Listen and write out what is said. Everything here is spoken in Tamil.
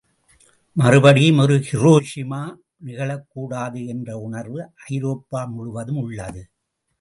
மறுபடியும் ஒரு ஹிரோஷிமா நிகழக்கூடாது என்ற உணர்வு ஐரோப்பா முழுவதும் உள்ளது.